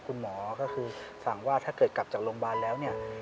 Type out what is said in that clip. คุณหมอก็คือสั่งว่าถ้าเกิดกลับจากโรงพยาบาลแล้วเนี่ย